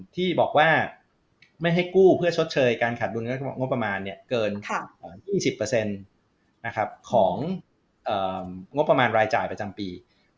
ที่บอกว่าไม่ให้กู้เพื่อชดเชยการขาดดุลงบประมาณเกิน๒๐ของงบประมาณรายจ่ายประจำปี